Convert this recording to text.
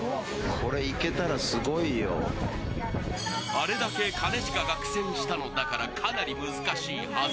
あれだけ兼近が苦戦したのだからかなり難しいはず。